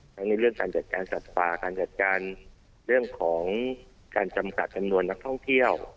ในเรื่องการจัดการสัตว์ป่าการจัดการเรื่องของการจำกัดจำนวนนักท่องเที่ยว